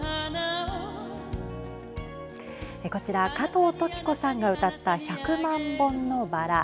こちら、加藤登紀子さんが歌った百万本のバラ。